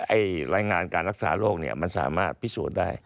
รายงานการรักษาโรคเนี่ยมันสามารถพิสูจน์ได้